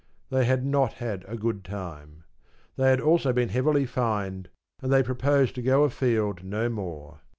They had not had a good time. They had also been heavily fined, and they proposed to go afield no more.